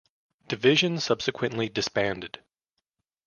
Division subsequently disbanded.